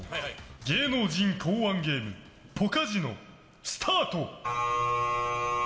芸能人考案ゲームポカジノスタート。